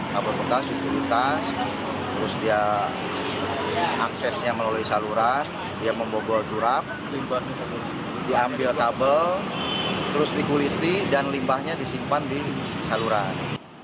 kabel bekas ukuritas terus dia aksesnya melalui saluran dia membobol durap diambil kabel terus dikuliti dan limbahnya disimpan di saluran